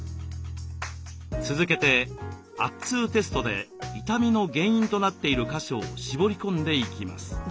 続けて圧痛テストで痛みの原因となっている箇所を絞り込んでいきます。